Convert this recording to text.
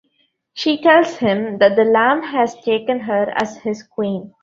She tells him that the Lamb has taken her as His queen.